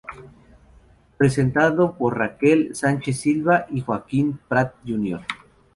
Presentado por Raquel Sánchez-Silva y Joaquin Prat jr.